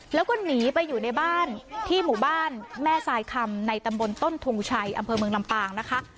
แล้วก็หนีไปอยู่ในบ้านที่หมู่บ้านแม่ทรายคำในตำบลต้นทงชัยอำเภอเมืองลำปางนะคะ